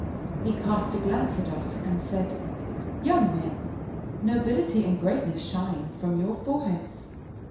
He cast a glance at us and said: "* Young men, nobility and greatness shine from your foreheads.